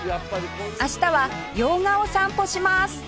明日は用賀を散歩します